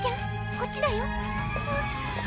こっちだよ！